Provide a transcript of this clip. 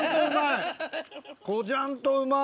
「こじゃんとうまい」。